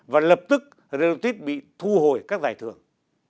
và lập tức relotip bị thu hồi các giải thưởng